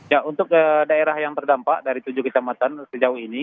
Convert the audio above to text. ya untuk daerah yang terdampak dari tujuh kecamatan sejauh ini